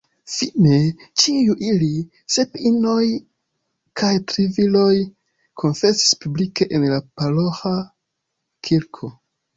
Fine, ĉiuj ili, sep inoj kaj tri viroj, konfesis publike en la paroĥa kirko.